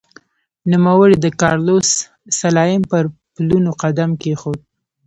نوموړي د کارلوس سلایم پر پلونو قدم کېښود.